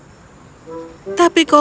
koko seharusnya tidak mengingatkanmu